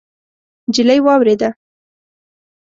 نجلۍ واورېده.